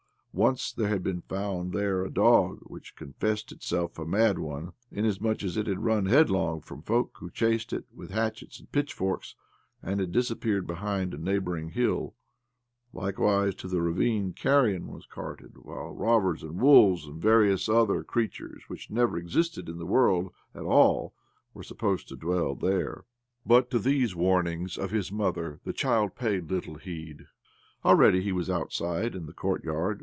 Once there had been found there a dog which confessed itself a mad one, inasmuch as it had run headlong from folk who chased it with hatchets and pitchforks, and had disappeared behind a neighbouring hill. Likewise to the ravine carrion was carted, while robbers and wolves and various other OBLOMOV 91 creatures which never existed in the world at all were supposed to dwell there. But to these warnings of his mother's the child paid little heed. Already he was out side, in the courtyard.